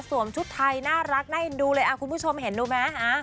ชุดไทยน่ารักน่าเอ็นดูเลยคุณผู้ชมเห็นดูไหม